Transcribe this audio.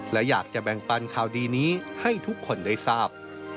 และอยากจะแบ่งปันข่าวดีนี้ให้ทุกคนได้ทราบ